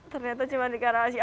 ternyata cuma di karawaci